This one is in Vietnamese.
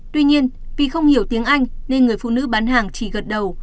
tuy nhiên vì không hiểu tiếng anh nên người phụ nữ bán hàng chỉ gật đầu